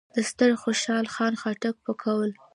د ستر خوشحال خان خټک په قول: